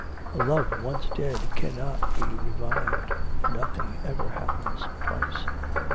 A love once dead cannot be revived; nothing ever happens twice.'